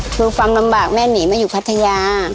คือฟังลำบากแม่หนีมาอยู่พัทยา